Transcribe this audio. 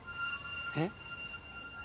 えっ？